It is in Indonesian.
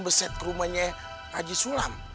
beset ke rumahnya haji sulam